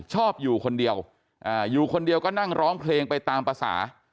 ชอบอยู่คนเดียวอยู่คนเดียวก็นั่งร้องเพลงไปตามภาษา